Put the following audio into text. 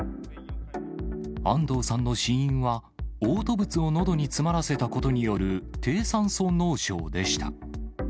安藤さんの死因は、おう吐物をのどに詰まらせたことによる低酸素脳症でした。